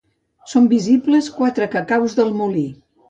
Són visibles quatre cacaus del molí.